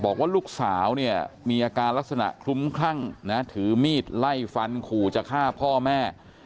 บอกว่าลูกสาวเนี่ยมีอาการลักษณะคลุ้มคลั่งนะถือมีดไล่ฟันขู่จะฆ่าพ่อแม่